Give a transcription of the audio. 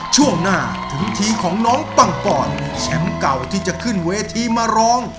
ช่วงหน้าถึงทีของน้องปังปอนแชมป์เก่าที่จะขึ้นเวทีมาร้อง